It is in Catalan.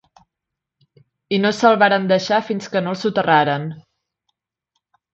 I no se’l varen deixar fins que no el soterraren.